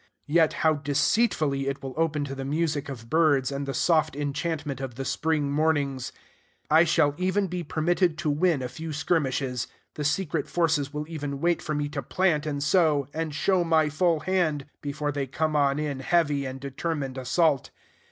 Yet how deceitfully it will open to the music of birds and the soft enchantment of the spring mornings! I shall even be permitted to win a few skirmishes: the secret forces will even wait for me to plant and sow, and show my full hand, before they come on in heavy and determined assault.